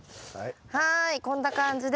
はいこんな感じで。